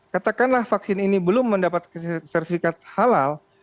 katakanlah vaksin ini belum mendapatkan sertifikat halal